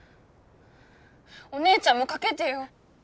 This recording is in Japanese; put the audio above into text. お姉ちゃんもかけてよ！